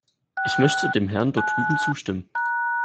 Ich möchte dem Herrn dort drüben zustimmen.